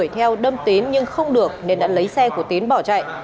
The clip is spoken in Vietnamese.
đuổi theo đâm tín nhưng không được nên đã lấy xe của tín bỏ chạy